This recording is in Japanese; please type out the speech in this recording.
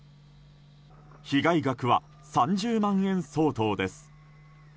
被害額は３０万円相当です。